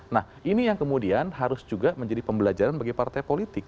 nah ini yang kemudian harus juga menjadi pembelajaran bagi partai politik